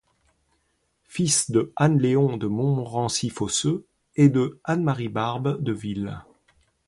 Fils de Anne Léon de Montmorency-Fosseux et de Anne Marie Barbe de Ville.